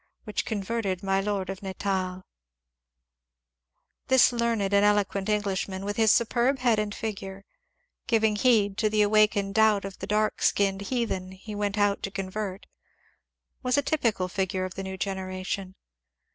Which converled Mj Lord of NataL This learned and eloquent Englishman, with his saperb head and figure, giving heed to the awakened doubt of the dark skinned ^^ heathen " he went out to convert, was a typical figure of the new generation.